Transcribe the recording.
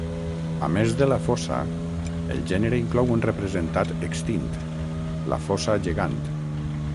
A més de la fossa, el gènere inclou un representat extint, la fossa gegant.